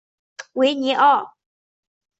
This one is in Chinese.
维尼奥。